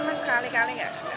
nggak ada yang menunjukkan